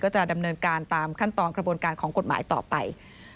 จะดำเนินการตามขั้นตอนกระบวนการของกฎหมายต่อไป